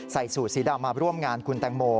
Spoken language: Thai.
ใส่สูตรสีดำมาร่วมงานคุณแตงโม